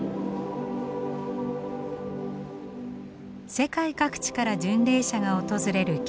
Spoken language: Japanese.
世界各地から巡礼者が訪れる教会。